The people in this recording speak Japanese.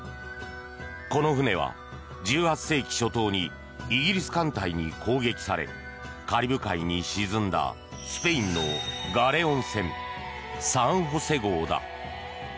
この船は１８世紀初頭にイギリス艦隊に攻撃されカリブ海に沈んだスペインのガレオン船「サン・ホセ号」だ。